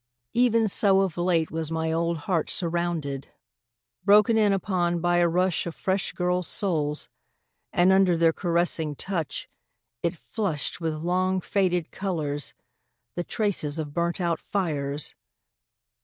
Even so of late was my old heart surrounded, broken in upon by a rush of fresh girls' souls ... and under their caressing touch it flushed with long faded colours, the traces of burnt out fires